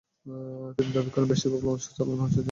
তিনি দাবি করেন, বেশির ভাগ লঞ্চ চালানো হচ্ছে যেনতেন লোক দিয়ে।